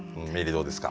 どうですか？